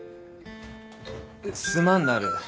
すまんなる。